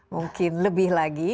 mungkin lebih lagi